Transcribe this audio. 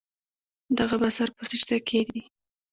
دے به سر پۀ سجده کيږدي